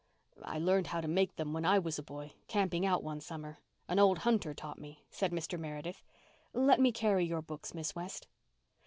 "I learned how to make them when I was a boy, camping out one summer. An old hunter taught me," said Mr. Meredith. "Let me carry your books, Miss West."